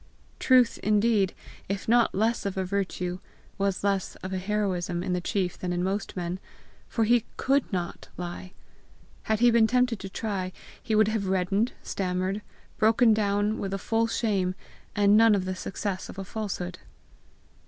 Truth, indeed, if not less of a virtue, was less of a heroism in the chief than in most men, for he COULD NOT lie. Had he been tempted to try, he would have reddened, stammered, broken down, with the full shame, and none of the success of a falsehood.